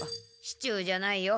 シチューじゃないよ。